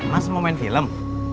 mas mau main film